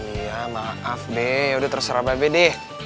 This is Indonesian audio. iya maaf be yaudah terserah mba be deh